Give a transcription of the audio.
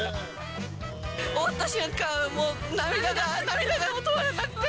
終わった瞬間、もう涙が、涙が止まらなくて。